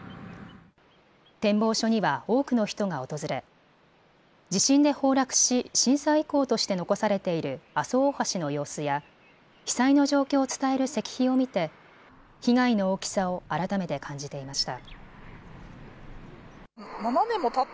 展望所には多くの人が訪れ地震で崩落し震災遺構として残されている阿蘇大橋の様子や被災の状況を伝える石碑を見て被害の大きさを改めて感じていました。